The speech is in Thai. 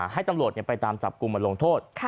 ให้ตำรวจไปตามจับกลุ่มมาลงโทษ